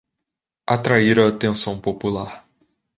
Atrair a atenção popular